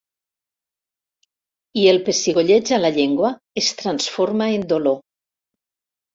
I el pessigolleig a la llengua es transforma en dolor.